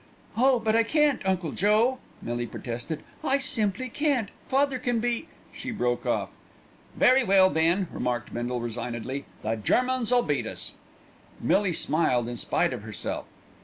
"Oh! but I can't, Uncle Joe," Millie protested; "I simply can't. Father can be " She broke off. "Very well then," remarked Bindle resignedly, "the Germans'll beat us." Millie smiled in spite of herself.